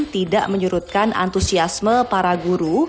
tidak menyurutkan antusiasme para guru